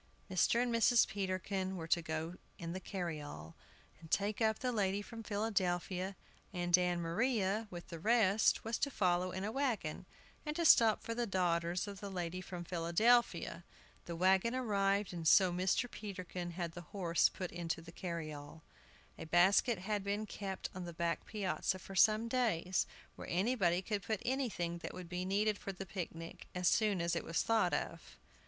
Mr. and Mrs. Peterkin were to go in the carryall, and take up the lady from Philadelphia, and Ann Maria, with the rest, was to follow in a wagon, and to stop for the daughters of the lady from Philadelphia. The wagon arrived, and so Mr. Peterkin had the horse put into the carryall. A basket had been kept on the back piazza for some days, where anybody could put anything that would be needed for the picnic as soon as it was thought of.